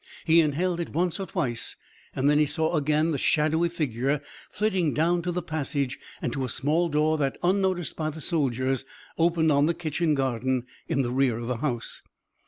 He inhaled it once or twice and then he saw again the shadowy figure flitting down to the passage and to a small door that, unnoticed by the soldiers, opened on the kitchen garden in the rear of the house.